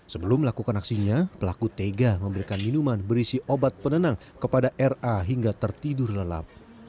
sebelum melakukan aksinya pelaku tega memberikan minuman berisi obat penenang kepada ra hingga tertidur lelap